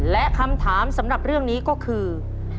และคำถามสำหรับเรื่องนี้ก็คือ